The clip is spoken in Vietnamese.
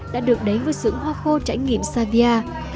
đã được đến với sưởng hoa khô trải nghiệm savia